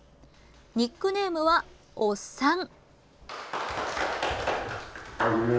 ニックネームは、おっさん。